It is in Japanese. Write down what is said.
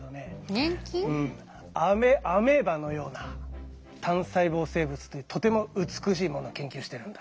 アメアメーバのような単細胞生物でとても美しいものを研究してるんだ。